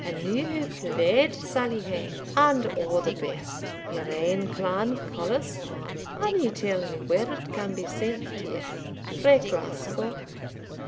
A new plaid sall ye hae, and o' the best your ain clan colours, man, an ye will tell me where it can be sent t'ye frae Glasco."